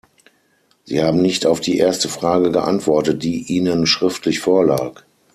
Sie haben nicht auf die erste Frage geantwortet, die Ihnen schriftlich vorlag.